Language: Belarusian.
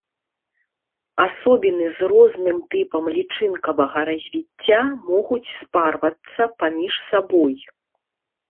Асобіны з розным тыпам лічынкавага развіцця могуць спарвацца паміж сабой.